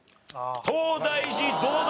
東大寺どうだ？